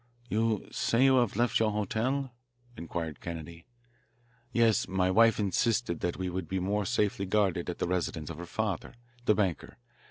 "You say you have left your hotel?" inquired Kennedy. "Yes. My wife insisted that we would be more safely guarded at the residence of her father, the banker.